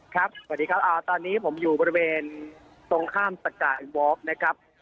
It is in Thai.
สวัสดีครับตอนนี้ผมอยู่บริเวณตรงข้ามสกาอินวอล์กนะครับ